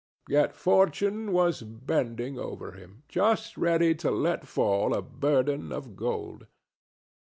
Yet Fortune was bending over him, just ready to let fall a burden of gold.